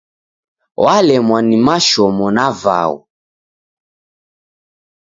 W'alemwa ni mashomo na vaghu.